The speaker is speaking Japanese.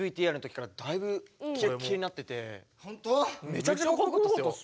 めちゃくちゃよかったですよ。